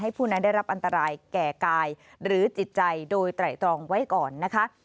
ผู้นั้นได้รับอันตรายแก่กายหรือจิตใจโดยไตรตรองไว้ก่อนนะคะ